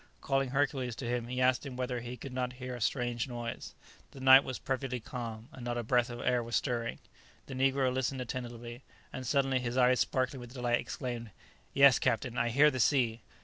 Calling Hercules to him, he asked him whether he could not hear a strange noise. The night was perfectly calm, and not a breath of air was stirring. The negro listened attentively, and suddenly, his eyes sparkling with delight, exclaimed, "Yes, captain, I hear the sea!"